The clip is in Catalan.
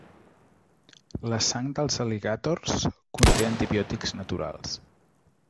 La sang dels al·ligàtors conté antibiòtics naturals.